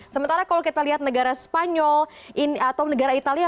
sementara kalau kita lihat negara spanyol atau negara italia